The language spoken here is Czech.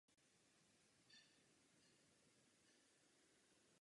Za Druhé světové války dobylo ostrov Japonské císařské námořnictvo a připojilo ho k Japonsku.